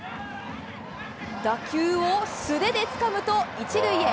打球を素手でつかむと、１塁へ。